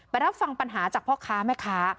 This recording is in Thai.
ไปรับฟังปัญหาจากพ่อค้าไหมคะ